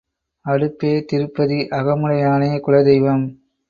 அடுப்பே திருப்பதி அகமுடையானே குலதெய்வம்.